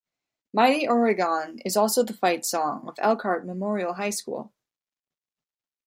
Mighty Oregon is also the fight song of Elkhart Memorial High School.